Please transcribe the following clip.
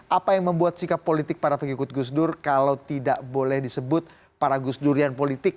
apa yang membuat sikap politik para pengikut gusdur kalau tidak boleh disebut para gusdurian politik